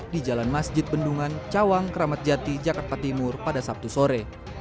di jalan masjid bendungan cawang kramat jati jakarta timur pada sabtu sore